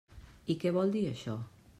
I què vol dir això?